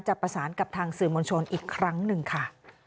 ประสานกับทางสื่อมวลชนอีกครั้งหนึ่งค่ะ